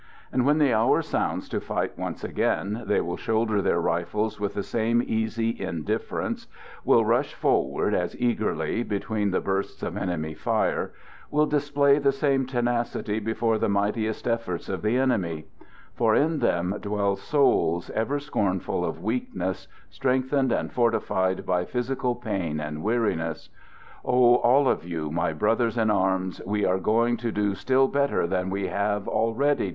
And when the hour sounds to fight once again, they will shoulder their rifles with the same easy indifference, will rush forward as eagerly between the bursts of enemy fire, will display the same tenacity before the mightiest efforts of the enemy. For in them dwell souls, ever scornful of weakness, strengthened and fortified by the conviction of victory, capable of conquering physical pain and weariness. Oh, all of you, my brothers in arms, we are going to do still better than we have already done, are we not?